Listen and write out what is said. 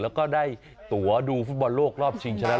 แล้วก็ได้ตัวดูฟุตบอลโลกรอบชิงชนะ